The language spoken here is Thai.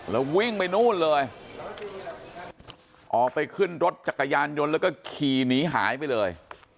แล้ววิ่งไปนู่นเลยออกไปขึ้นรถจักรยานยนต์แล้วก็ขี่หนีหายไปเลย